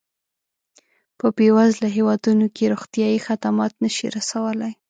په بېوزله هېوادونو کې روغتیایي خدمات نه شي رسولای.